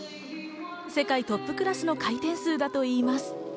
世界トップクラスの回転数だといいます。